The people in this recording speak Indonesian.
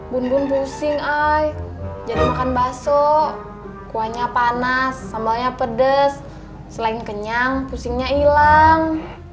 bun bun pusing e jadi makan bakso kuahnya panas sambalnya pedes sleng kenyang pusingnya hilang